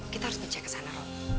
kita harus baca ke sana rob